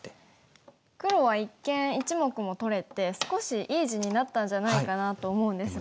黒は一見１目も取れて少しいい地になったんじゃないかなと思うんですが。